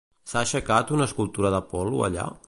S'ha aixecat una escultura d'Apol·lo allà?